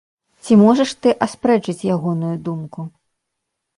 Ці можаш ты аспрэчыць ягоную думку?